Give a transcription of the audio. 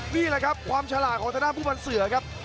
นี่แหละครับความฉลาดของทางด้านผู้บันเสือครับ